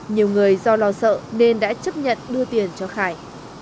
nhiều người do lo sợ nên đã chấp nhận đưa tiền cho khải